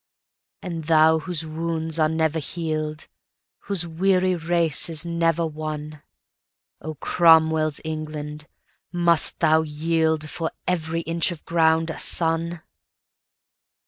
And thou whose wounds are never healed, Whose weary race is never won,O Cromwell's England! must thou yieldFor every inch of ground a son?